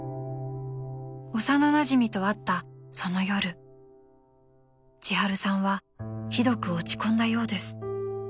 ［幼なじみと会ったその夜千春さんはひどく落ち込んだようです］